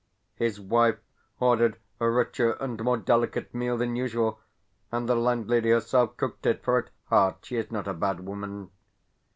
His wife ordered a richer and more delicate meal than usual, and the landlady herself cooked it, for at heart she is not a bad woman.